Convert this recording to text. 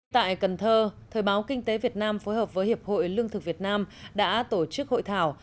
tại cần thơ thời báo kinh tế việt nam phối hợp với hiệp hội lương thực việt nam đã tổ chức hội thảo